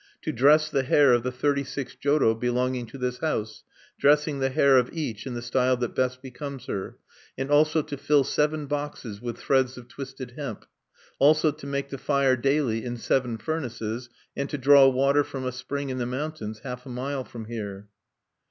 "To dress the hair of the thirty six joro belonging to this house, dressing the hair of each in the style that best becomes her; and also to fill seven boxes with threads of twisted hemp. "Also to make the fire daily in seven furnaces, and to draw water from a spring in the mountains, half a mile from here."